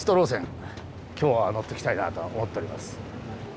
今日は乗っていきたいなとは思っております。